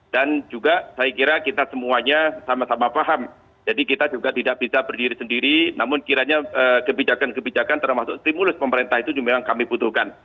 dan juga saya kira kita semuanya sama sama paham jadi kita juga tidak bisa berdiri sendiri namun kiranya kebijakan kebijakan termasuk stimulus pemerintah itu memang kami butuhkan